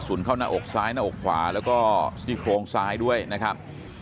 เข้าหน้าอกซ้ายหน้าอกขวาแล้วก็ซี่โครงซ้ายด้วยนะครับ